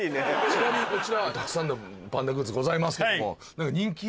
ちなみにこちらたくさんのパンダグッズございますけども。